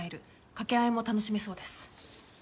掛け合いも楽しめそうです。